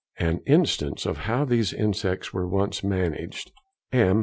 An instance of how these insects were once managed:—M.